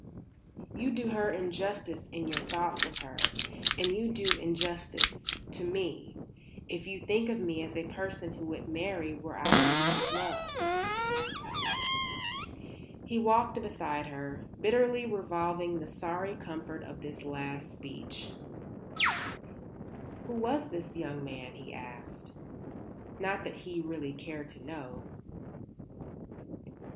You do her injustice in your thoughts of her; and you do me injustice, too, if you think of me as a person who would marry where I did not love." He walked beside her, bitterly revolving the sorry comfort of this last speech. "Who was the young man?" he asked. Not that he really cared to know.